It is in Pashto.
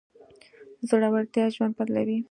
زړورتيا ژوند بدلوي.